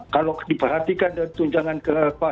kalau diperhatikan dan itu jangan kehilangan perusahaan